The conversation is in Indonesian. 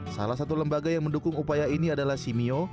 salah satu lembaga yang mendukung upaya ini adalah simio